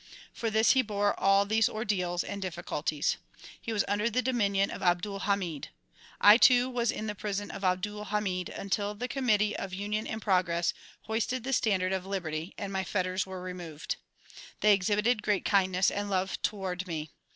For this he bore all these ordeals and difficulties. He was under the dominion of Abdul Hamid. I too was in the prison of Abdul Hamid until the Committee of Union and Progress hoisted the standard of liberty and my fettei s were removed. They exhibited great kindness and love toward me.